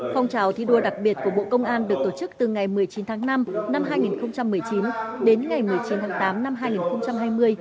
phong trào thi đua đặc biệt của bộ công an được tổ chức từ ngày một mươi chín tháng năm năm hai nghìn một mươi chín đến ngày một mươi chín tháng tám năm hai nghìn hai mươi